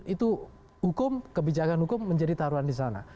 itu hukum kebijakan hukum menjadi taruhan di sana